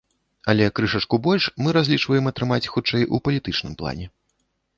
Але крышачку больш мы разлічваем атрымаць, хутчэй, у палітычным плане.